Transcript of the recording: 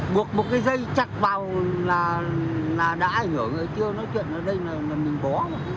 buộc một cái dây chặt vào là đã ảnh hưởng rồi chưa nói chuyện ở đây là mình bó